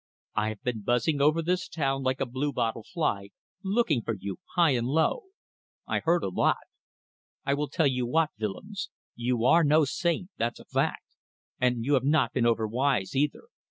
"I have been buzzing over this town like a bluebottle fly, looking for you high and low. I have heard a lot. I will tell you what, Willems; you are no saint, that's a fact. And you have not been over wise either.